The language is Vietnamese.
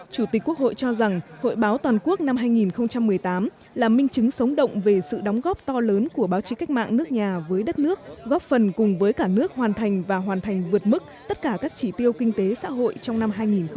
chủ tịch quốc hội cho rằng hội báo toàn quốc năm hai nghìn một mươi tám là minh chứng sống động về sự đóng góp to lớn của báo chí cách mạng nước nhà với đất nước góp phần cùng với cả nước hoàn thành và hoàn thành vượt mức tất cả các chỉ tiêu kinh tế xã hội trong năm hai nghìn một mươi chín